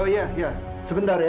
oh iya ya sebentar ya